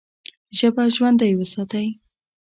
ژبه ژوندۍ وساتئ!